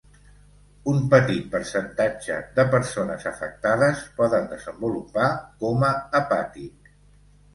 Un petit percentatge de persones afectades poden desenvolupar coma hepàtic.